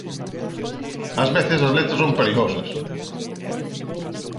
Ás veces as letras son perigosas.